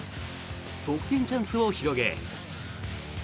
得点チャンスを広げ。